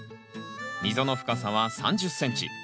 溝の深さは３０ｃｍ。